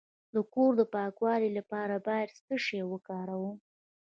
د کور د پاکوالي لپاره باید څه شی وکاروم؟